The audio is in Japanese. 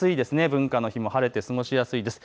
文化の日も晴れて過ごしやすいです。